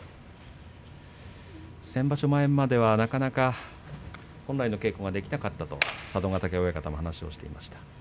先場所前まではなかなか本来の稽古ができなかったと佐渡ヶ嶽親方が話していました。